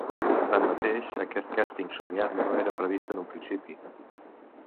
Tanmateix, aquest càsting somniat no era previst en un principi.